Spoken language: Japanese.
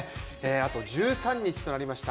あと１３日となりました。